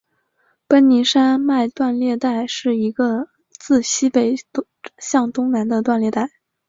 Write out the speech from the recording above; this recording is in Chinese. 奔宁山脉断裂带是一个自西北向东南的断裂带。